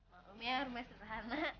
maklumnya rumah istana